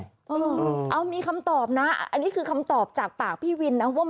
เออเอามีคำตอบนะอันนี้คือคำตอบจากปากพี่วินนะว่า